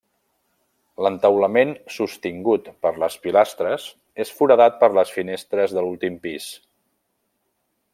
L'entaulament sostingut per les pilastres és foradat per les finestres de l'últim pis.